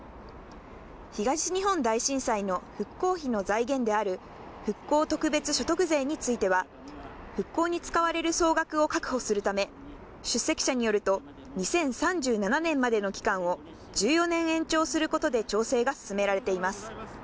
東日本大震災の復興費の財源である、復興特別所得税については、復興に使われる総額を確保するため、出席者によると、２０３７年までの期間を、１４年延長することで調整が進められています。